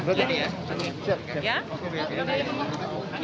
sudah dikasih siap